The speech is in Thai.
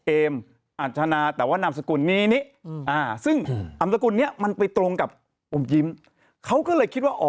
อัชนาแต่ว่านามสกุลนี้นี่ซึ่งนามสกุลนี้มันไปตรงกับอมยิ้มเขาก็เลยคิดว่าอ๋อ